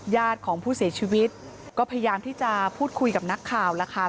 ญาติของผู้เสียชีวิตก็พยายามที่จะพูดคุยกับนักข่าวแล้วค่ะ